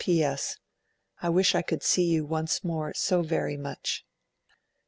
'P.S. I wish I could see you once more so very much.'